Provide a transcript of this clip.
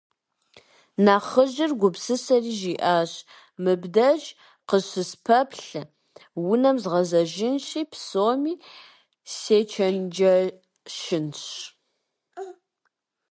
Нэхъыжьыр гупсысэри, жиӀащ: - Мыбдеж къыщыспэплъэ, унэм згъэзэжынщи, псоми сечэнджэщынщ.